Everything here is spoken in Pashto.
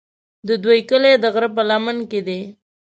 د دوی کلی د غره په لمن کې دی.